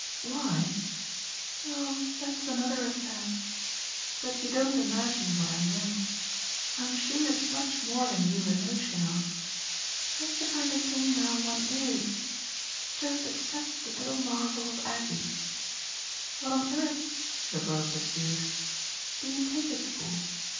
"'Why'? Oh that's another affair! But you don't imagine what I know; I'm sure it's much more than you've a notion of. That's the kind of thing now one IS just except the little marvel of Aggie. What on earth," the girl pursued, "do you take us for?"